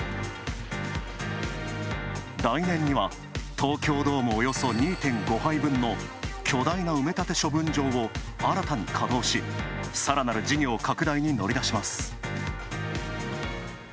来年には、東京ドームおよそ２．５杯分の巨大な埋め立て処分場を新たに稼働し、さらなる事業拡大に乗り出します。